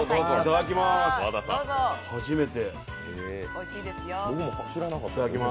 初めて。